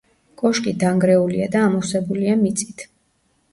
კოშკი დანგრეულია და ამოვსებულია მიწით.